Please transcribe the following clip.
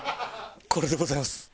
これでございます。